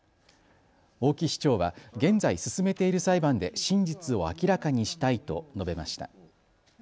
大木市長は現在進めている裁判で真実を明らかにしたいと述べました。